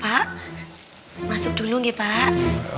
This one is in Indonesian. pak masuk dulu nih pak